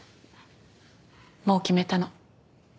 もう決めたの。